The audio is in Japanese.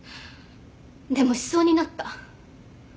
でもしそうになった。